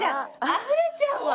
あふれちゃうわ！